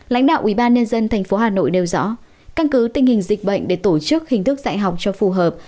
lãnh đạo ubnd tp hà nội đều rõ căn cứ tình hình dịch bệnh để tổ chức hình thức dạy học cho phù hợp